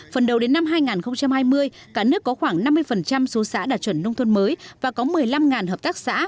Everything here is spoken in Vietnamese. phần đầu đến năm hai nghìn hai mươi cả nước có khoảng năm mươi số xã đạt chuẩn nông thôn mới và có một mươi năm hợp tác xã